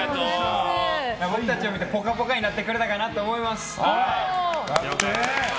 僕たちを見てぽかぽかになってくれたかなと思います。